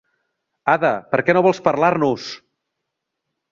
Ada, per què no vols parlar-nos!